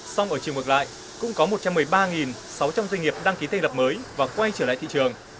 song ở chiều ngược lại cũng có một trăm một mươi ba sáu trăm linh doanh nghiệp đăng ký thành lập mới và quay trở lại thị trường